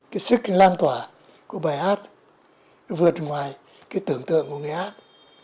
cái sức lan tỏa của bài hát nó vượt ngoài cái tưởng tượng của người hát